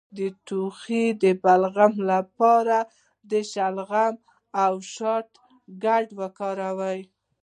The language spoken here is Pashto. د ټوخي د بلغم لپاره د شلغم او شاتو ګډول وکاروئ